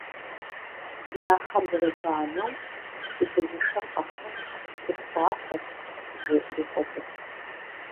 Я хьэр зэрыбанэу «Си фызышэр къэсащ, сыфхуапэ», — жеӏэри къотӏыс.